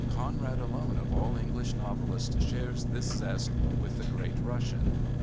Conrad alone of all English novelists shares this zest with the great Russian.